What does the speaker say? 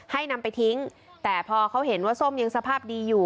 ให้นำไปทิ้งแต่พอเขาเห็นว่าส้มยังสภาพดีอยู่